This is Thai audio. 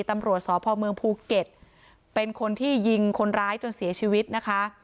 ตำรวจสพเมืองภูเก็ตเป็นคนที่ยิงคนร้ายจนเสียชีวิตนะคะ